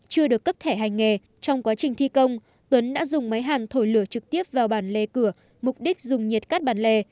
chưa được cấp thẻ hành nghề trong quá trình thi công tuấn đã dùng máy hàn thổi lửa trực tiếp vào bản lề cửa mục đích dùng nhiệt cát bản lề